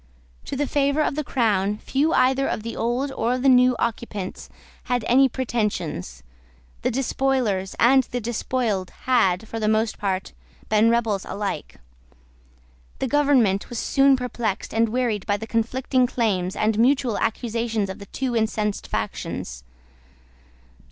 To the favour of the Crown few either of the old or of the new occupants had any pretensions. The despoilers and the despoiled had, for the most part, been rebels alike. The government was soon perplexed and wearied by the conflicting claims and mutual accusations of the two incensed factions.